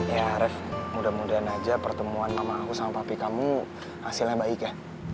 ya ref mudah mudahan aja pertemuan mama aku sama papi kamu hasilnya baik ya